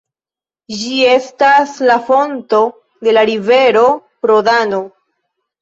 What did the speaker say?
Ĝi estas la fonto de la rivero Rodano.